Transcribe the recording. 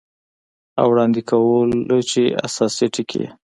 او وړاندې کولو چې اساسي ټکي یې